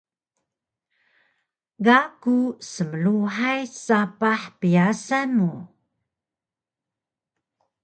Ga ku smluhay sapah pyasan mu